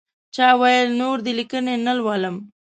چا ویل نور دې لیکنې نه لولم.